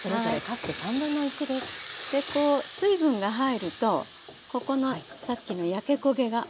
こう水分が入るとここのさっきの焼け焦げが落ちますよね。